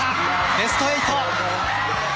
ベスト８！